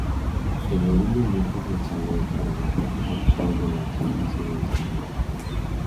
En algún momento se instaló en Paraná, capital de la provincia de Entre Ríos.